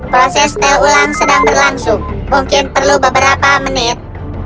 proses tes ulang sedang berlangsung mungkin perlu beberapa menit